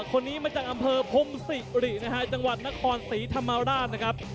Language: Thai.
คนนี้มาจากอำเภอพงศิรินะฮะจังหวัดนครศรีธรรมราชนะครับ